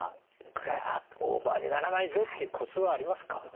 ガッオーバーにならないぞっていうコツはありますか？